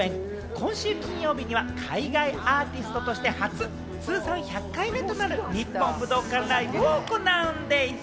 今週金曜日には海外アーティストとして初、通算１００回目となる日本武道館ライブを行うんでぃす！